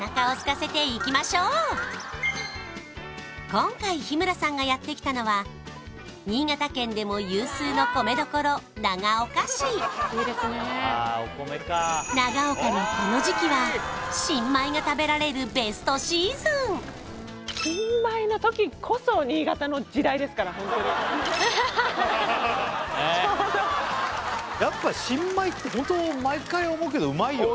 今回日村さんがやってきたのは新潟県でも有数の米どころ長岡市長岡のこの時期は新米が食べられるベストシーズンですからホントにちょうどやっぱ新米ってホント毎回思うけどうまいよね